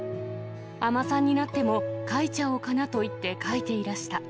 尼さんになっても書いちゃおうかなといって書いていらした。